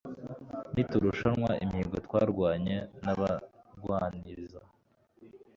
Ntiturushanwa imihigo Twarwanye n'abarwaniza